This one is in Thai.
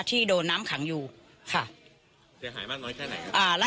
ที่โดนน้ำขังอยู่ค่ะเสียหายมากน้อยแค่ไหนครับอ่าแล้ว